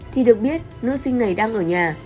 thì được biết nữ sinh này đang ở nhà